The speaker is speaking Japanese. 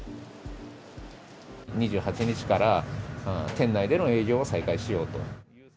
２８日から、店内での営業を再開しようと。